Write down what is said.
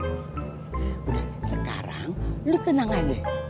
udah sekarang lu tenang aja